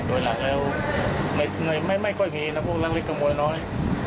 โดยหลังแล้วไม่ไม่ไม่ค่อยมีนะพวกลักษณ์เล็กกระโมยน้อย